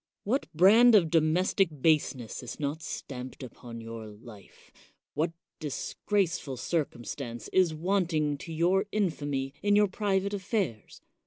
What brand of domestic baseness is not stamped upon your life ? What disgraceful circumstance is wanting to your infamy in your private affairs